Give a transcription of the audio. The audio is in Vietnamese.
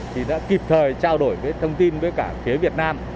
thì đã kịp thời trao đổi với thông tin với cả phía việt nam